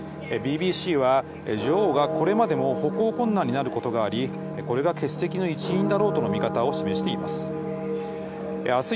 ＢＢＣは、女王がこれまでも歩行困難になることがあり、これが欠席の一因だろうとの見方を示しています。